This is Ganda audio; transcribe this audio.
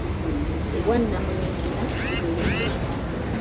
Obwannamunigina si bulungi.